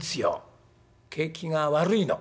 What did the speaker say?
「景気が悪いの？